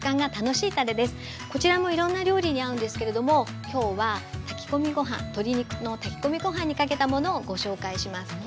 こちらもいろんな料理に合うんですけれども今日は炊き込みご飯鶏肉の炊き込みご飯にかけたものをご紹介します。